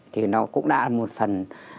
thì nó cũng đã là một phần